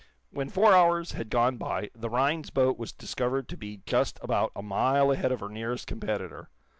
When four hours had gone by the Rhinds boat was discovered to be just about a mile ahead of her nearest competitor.